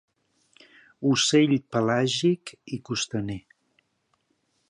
Ocell pelàgic i costaner.